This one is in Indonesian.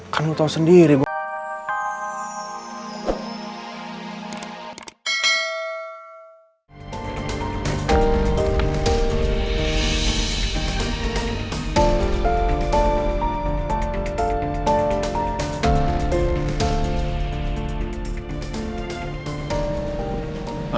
kan lu tau sendiri gue